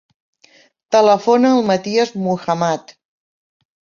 Telefona al Matías Muhammad.